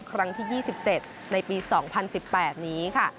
ครั้งที่๒๗ในปี๒๐๑๘นี้ค่ะ